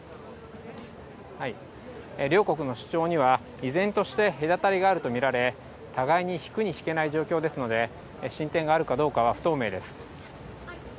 両国の主張には、依然として隔たりがあると見られ、互いに引くに引けない状況ですので、進展があるかどうかは不透明です。